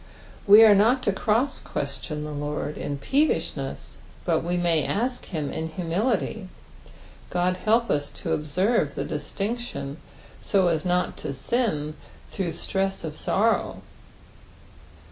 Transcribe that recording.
We are not to croeS'question the Lord in peevishness, but we may ask of him in humility ; Qod help us to observe tho distinction so as not to sin through stress of sorrow.